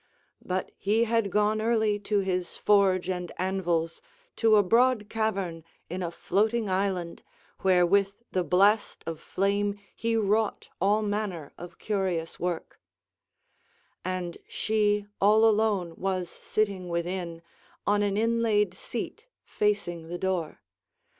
But he had gone early to his forge and anvils to a broad cavern in a floating island where with the blast of flame he wrought all manner of curious work; and she all alone was sitting within, on an inlaid seat facing the door.